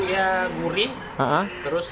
dia gurih terus